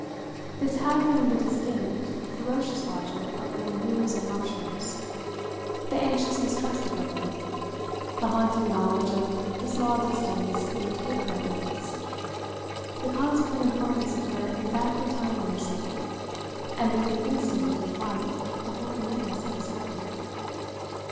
This had been the distinct, ferocious logic of her renewals and ruptures the anxious mistrust of her wit, the haunting knowledge of the small distance it would take her at once, the consequent importance of her exactly timing herself, and the quick instinct of flight before the menace of discovery.